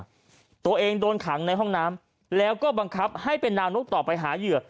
ตัวเองโดนขังในห้องน้ำแล้วก็บังคับให้เป็นนางนกต่อไปหาเหยื่อ